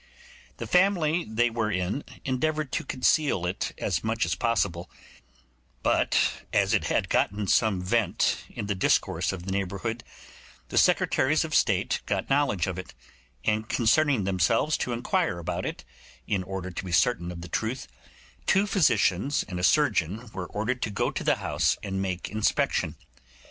The family they were in endeavoured to conceal it as much as possible, but as it had gotten some vent in the discourse of the neighbourhood, the Secretaries of State got knowledge of it; and concerning themselves to inquire about it, in order to be certain of the truth, two physicians and a surgeon were ordered to go to the house and make inspection.